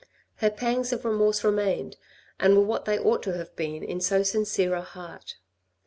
Her pangs of remorse re mained, and were what they ought to have been in so sincere a heart.